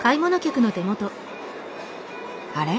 あれ？